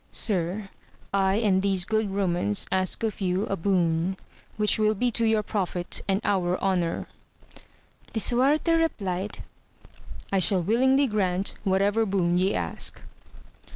Sir, I and these good Eomans ask of you a boon, which will be to your profit, and our honour. Lisuarte replied, I shall willingly grant whatever boon ye ask.